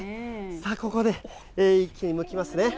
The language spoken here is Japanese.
さあ、ここで一気にむきますね。